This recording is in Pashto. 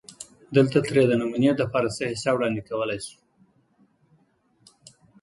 دلته ترې دنمونې دپاره څۀ حصه وړاندې کولی شي